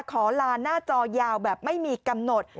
ขอลาหน้าจอยาวแบบไม่มีกำหนด